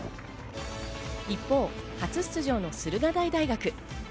一方、初出場の駿河台大学。